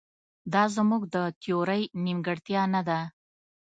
دا زموږ د تیورۍ نیمګړتیا نه ده.